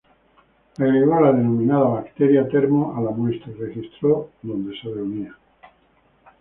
Agregó la denominada "bacteria termo" a la muestra, y registró donde se reunía.